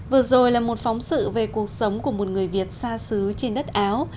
vừa rồi là một phóng sự về cuộc sống của một người việt xa xứ trên đất áo